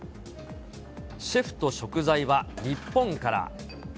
シェフと食材は日本から。